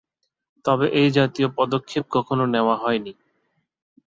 তবে এ জাতীয় পদক্ষেপ কখনো নেওয়া হয়নি।